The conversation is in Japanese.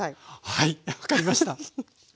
はい分かりました。